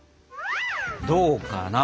どうかな？